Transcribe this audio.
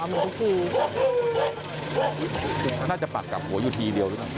เหมือนที่ทีน่าจะปากกับหัวอยู่ทีด้วยนะครับ